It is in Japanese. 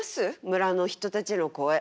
村の人たちの声。